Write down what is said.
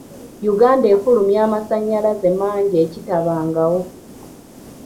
Uganda efulumya amasannyalaze mangi ekitabangawo.